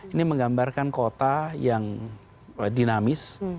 ini menggambarkan kota yang dinamis